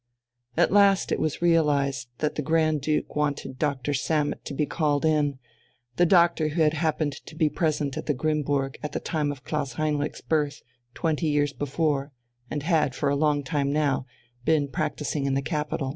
"(1) At last it was realized that the Grand Duke wanted Doctor Sammet to be called in, the doctor who had happened to be present at the Grimmburg at the time of Klaus Heinrich's birth, twenty years before, and had, for a long time now, been practising in the capital.